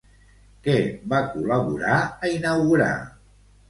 Què va col·laborar a inaugurar?